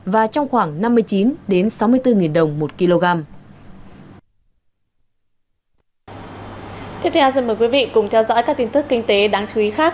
và trong khoảng năm mươi chín sáu mươi bốn đồng một kg